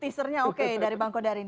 teasernya oke dari bang kodari